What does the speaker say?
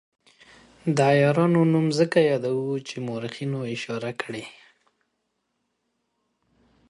د عیارانو نوم ځکه یادوو چې مورخینو اشاره کړې.